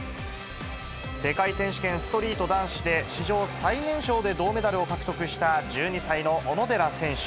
世界選手権ストリート男子で、史上最年少で銅メダルを獲得した１２歳の小野寺選手。